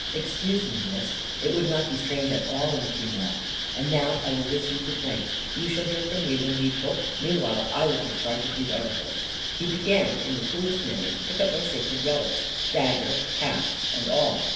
"Excuse me, Miss, it would not be strange at all, in a female. And now I will wish you 'good night.' You shall hear from me when needful. Meanwhile, I will take charge of these articles." He began, in the coolest manner, to pack up my sacred relics, dagger, casts, and all.